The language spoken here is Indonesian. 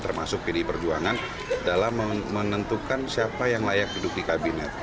termasuk pdi perjuangan dalam menentukan siapa yang layak duduk di kabinet